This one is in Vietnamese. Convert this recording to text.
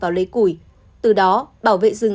vào lấy củi từ đó bảo vệ rừng